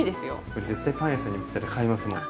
これ絶対パン屋さんに売ってたら買いますもん。